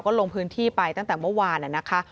ก็ลงพื้นที่ไปตั้งแต่เมื่อวานนะคะ